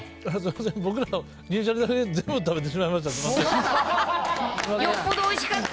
僕、銀シャリの分、全部食べてしまいました。